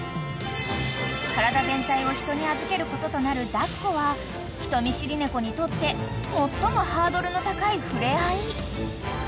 ［体全体を人に預けることとなる抱っこは人見知り猫にとって最もハードルの高い触れ合い］